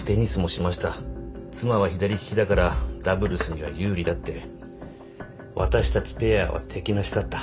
妻は左利きだからダブルスには有利だって私たちペアは敵なしだった。